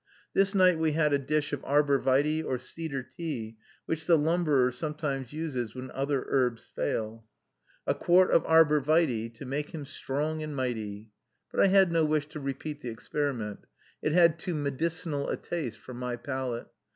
This night we had a dish of arbor vitæ or cedar tea, which the lumberer sometimes uses when other herbs fail, "A quart of arbor vitæ, To make him strong and mighty," but I had no wish to repeat the experiment. It had too medicinal a taste for my palate.